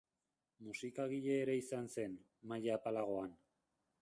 Musikagile ere izan zen, maila apalagoan.